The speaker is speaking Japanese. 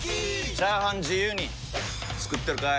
チャーハン自由に作ってるかい！？